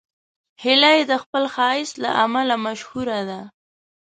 هیلۍ د خپل ښایست له امله مشهوره ده